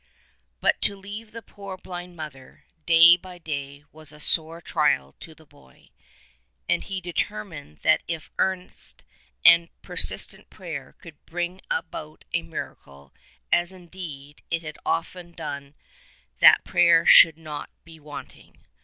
But to leave the poor blind mother day by day was a sore trial to the boy, and he determined that if earnest and per sistent prayer could bring about a miracle, as indeed it had 140 so often done, that prayer should not be wanting.